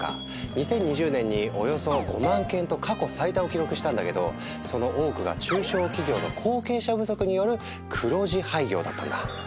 ２０２０年におよそ５万件と過去最多を記録したんだけどその多くが中小企業の後継者不足による黒字廃業だったんだ。